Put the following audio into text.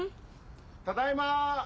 ・ただいま！